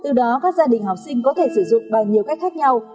từ đó các gia đình học sinh có thể sử dụng bằng nhiều cách khác nhau